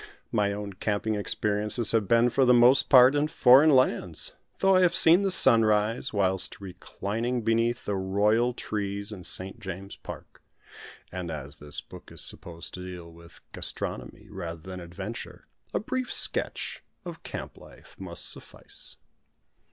My own camping experiences have been for the most part in foreign lands, though I have seen the sun rise, whilst reclining beneath the Royal trees in St. James's Park; and as this book is supposed to deal with gastronomy, rather than adventure, a brief sketch of camp life must suffice.